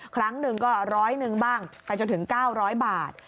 ครั้งหนึ่งก็ร้อยหนึ่งบ้างไปจนถึง๙๐๐บาท